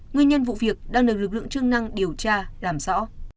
nguyên nhân vụ việc đang được lực lượng chức năng điều tra làm rõ